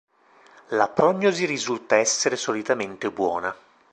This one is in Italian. La prognosi risulta essere solitamente buona.